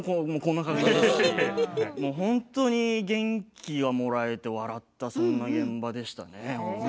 本当に元気がもらえて笑ったそんな現場でしたね。